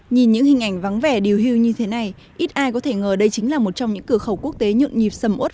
nhìn những hình ảnh vắng vẻ điều hưu như thế này ít ai có thể ngờ đây chính là một trong những cửa khẩu quốc tế nhượng nhịp sầm ốt